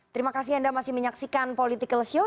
terima kasih anda masih menyaksikan political show